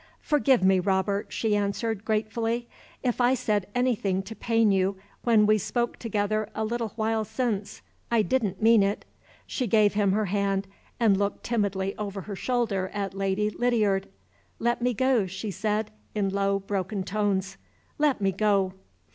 "Forgive me, Robert," she answered, gratefully, "if I said anything to pain you when we spoke together a little while since. I didn't mean it." She gave him her hand, and looked timidly over her shoulder at Lady Lydiard. "Let me go!" she said, in low, broken tones, "Let me go!"